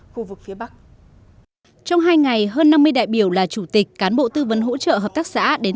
khu vực phía bắc trong hai ngày hơn năm mươi đại biểu là chủ tịch cán bộ tư vấn hỗ trợ hợp tác xã đến